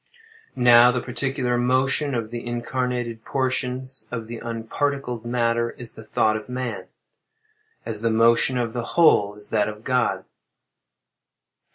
Now, the particular motion of the incarnated portions of the unparticled matter is the thought of man; as the motion of the whole is that of God.